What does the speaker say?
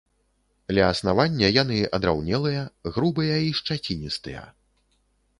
Ля аснавання яны адраўнелыя, грубыя і шчаціністыя.